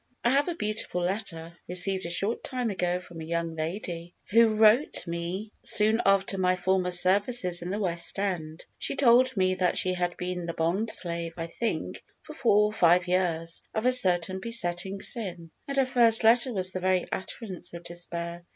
I have a beautiful letter, received a short time ago from a young lady, who wrote me soon after my former services in the West End. She told me that she had been the bondslave, I think, for four or five years, of a certain besetting sin, and her first letter was the very utterance of despair.